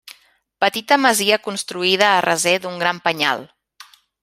Petita masia construïda a recer d'un gran penyal.